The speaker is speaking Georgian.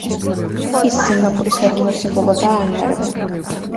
ის სინგაპურის ეროვნულ სიმბოლოდაა აღიარებული.